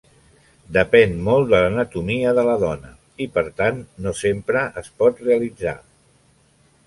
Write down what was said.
Depèn molt de l'anatomia de la dona i, per tant, no sempre es pot realitzar.